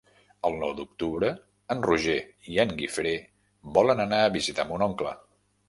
El nou d'octubre en Roger i en Guifré volen anar a visitar mon oncle.